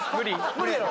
無理やろ？